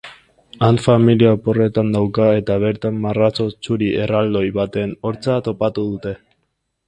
Han familia oporretan dauka eta bertan marrazo txuri erraldoi baten hortza topatu dute.